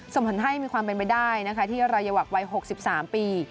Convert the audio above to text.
สมทนให้มีความเป็นไปได้ที่ระยะวักวัย๖๓ปี